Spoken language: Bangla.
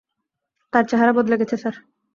তার চেহারা বদলে গেছে, স্যার।